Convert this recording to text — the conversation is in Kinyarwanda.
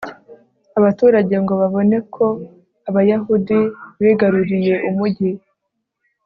abaturage ngo babone ko abayahudi bigaruriye umugi